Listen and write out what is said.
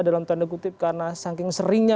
dalam tanda kutip karena saking seringnya